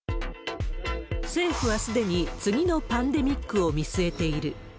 政府はすでに、次のパンデミックを見据えている。